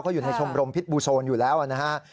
เขาอยู่ในชมรมพิษบูโซนอยู่แล้วนะฮะ